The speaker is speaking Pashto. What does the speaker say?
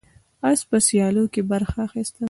اس په سیالیو کې برخه اخیسته.